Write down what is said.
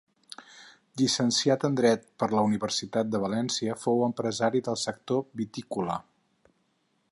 Llicenciat en dret per la Universitat de València, fou empresari del sector vitícola.